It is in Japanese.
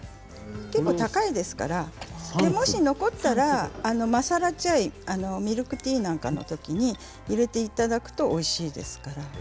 結構高いですからもし残ったらマサラチャイミルクティーなんかのときに入れていただくとおいしいですから。